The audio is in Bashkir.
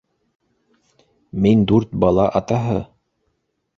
Мин дүрт бала атаһы!